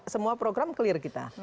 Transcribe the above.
semua program clear kita